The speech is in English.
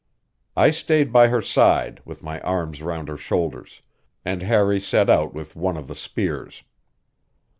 I stayed by her side, with my arms round her shoulders, and Harry set out with one of the spears.